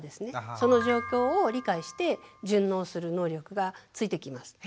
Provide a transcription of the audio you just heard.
その状況を理解して順応する能力がついてきます。